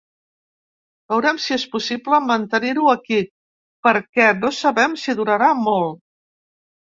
Veurem si és possible mantenir-ho aquí, perquè no sabem si durarà molt.